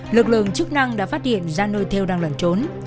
lực lượng chức năng đã phát hiện ra nơi theo đang lẩn trốn